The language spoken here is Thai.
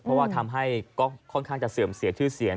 เพราะว่าทำให้ก็ค่อนข้างจะเสื่อมเสียชื่อเสียง